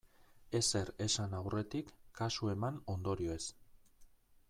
Ezer esan aurretik, kasu eman ondorioez.